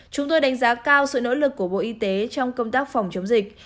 chúng tôi đánh giá cao sự nỗ lực của bộ y tế trong công tác phòng chống dịch